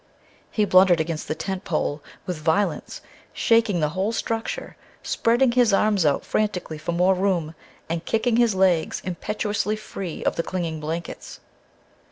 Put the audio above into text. He blundered against the tent pole with violence, shaking the whole structure, spreading his arms out frantically for more room, and kicking his legs impetuously free of the clinging blankets.